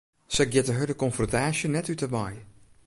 Sy giet de hurde konfrontaasje net út 'e wei.